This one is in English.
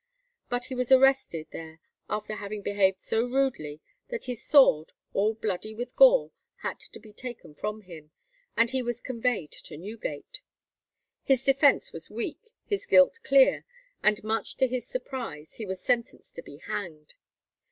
But he was arrested there after having behaved so rudely, that his sword, all bloody with gore, had to be taken from him, and he was conveyed to Newgate. His defence was weak, his guilt clear, and much to his surprise, he was sentenced to be hanged.